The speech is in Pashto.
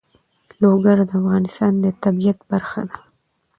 لوگر د افغانستان د طبیعت برخه ده.